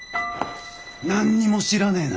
何にも知らねえの？